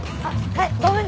はい。